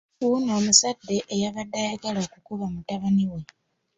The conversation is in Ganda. Wuuyo omuzadde eyabadde ayagala okukuba mutabani we